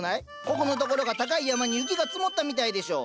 ここのところが高い山に雪が積もったみたいでしょ？